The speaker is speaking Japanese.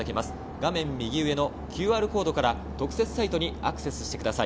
画面右上のＱＲコードから特設サイトにアクセスしてください。